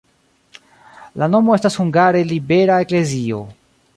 La nomo estas hungare libera-eklezio.